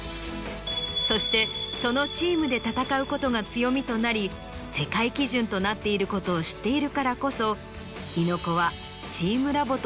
そしてそのチームで戦うことが強みとなり世界基準となっていることを知っているからこそ猪子は。